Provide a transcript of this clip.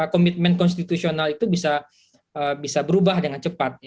komitmen konstitusional itu bisa berubah dengan cepat